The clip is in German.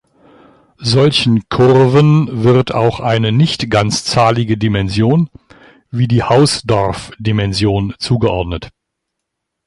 Solchen Kurven wird auch eine nicht ganzzahlige Dimension wie die Hausdorff-Dimension zugeordnet.